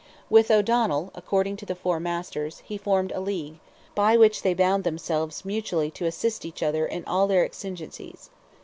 With O'Donnell, according to the Four Masters, he formed a league, by which they bound themselves "mutually to assist each other in all their exigencies."